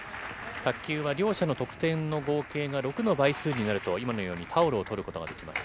卓球は両者の得点の合計が６の倍数になると、今のようにタオルを取ることができます。